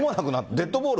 デッドボール？